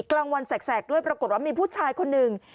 กลางวันแสกด้วยปรากฏว่ามีผู้ชายคนหนึ่ง